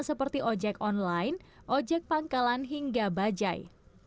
seperti ojek online ojek pangkalan hingga bajai